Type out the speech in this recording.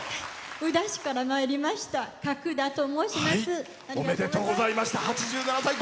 宇陀市からまいりましたかくだと申します。